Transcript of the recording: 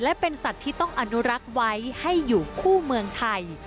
และเป็นสัตว์ที่ต้องอนุรักษ์ไว้ให้อยู่คู่เมืองไทย